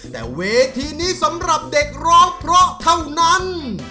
แต่เวทีนี้สำหรับเด็กร้องเพราะเท่านั้น